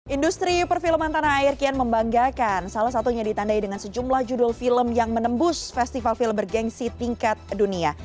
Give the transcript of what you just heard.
industri perfilman tanah air kian membanggakan salah satunya ditandai dengan sejumlah judul film yang menembus festival film bergensi tingkat dunia